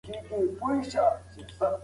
افغانانو د صفوي ټول لښکر شا ته پرېښود.